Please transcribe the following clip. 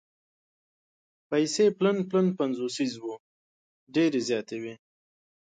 پیسې پلن پلن پنځوسیز وو ډېرې زیاتې وې.